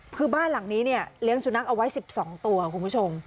คือบ้านหลังนี้เนี่ยเลี้ยงสุนัขเอาไว้๑๒ตัวคุณผู้ชม